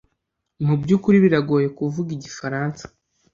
Mu byukuri biragoye kuvuga igifaransa?